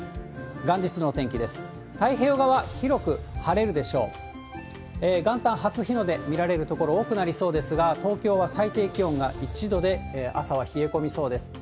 元旦、初日の出見られる所多くなりそうですが、東京は最低気温が１度で、朝は冷え込みそうです。